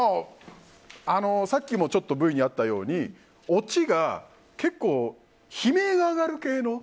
さっきもちょっとＶにあったようにオチが結構、悲鳴が上がる系の。